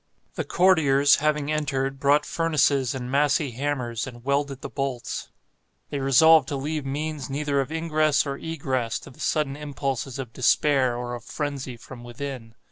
The courtiers, having entered, brought furnaces and massy hammers and welded the bolts. They resolved to leave means neither of ingress or egress to the sudden impulses of despair or of frenzy from within.